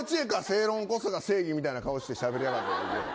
世論こそが正義みたいな顔してしゃべりやがって。